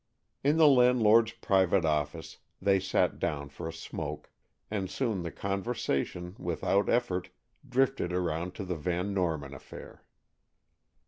In the landlord's private office they sat down for a smoke, and soon the conversation, without effort, drifted around to the Van Norman affair.